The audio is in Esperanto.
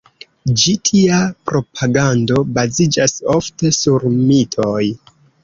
Ĉi tia propagando baziĝas ofte sur mitoj.